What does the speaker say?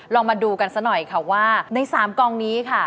ลองมาดูกันซะหน่อยค่ะว่าใน๓กองนี้ค่ะ